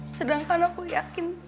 sedangkan aku yakin